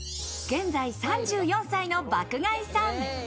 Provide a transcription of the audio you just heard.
現在３４歳の爆買いさん。